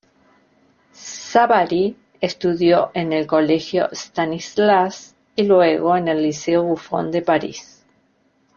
Savary estudió en el colegio Stanislas y luego en el liceo Buffon de París.